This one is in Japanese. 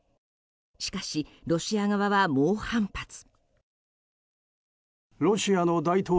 しかし、ロシア側は猛反発。